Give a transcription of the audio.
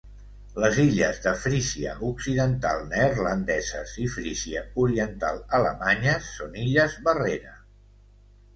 Les illes de Frísia occidental neerlandeses i Frísia oriental alemanyes són illes barrera.